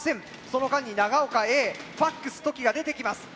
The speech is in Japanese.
その間に長岡Ａ「Ｆａｘとき」が出てきます。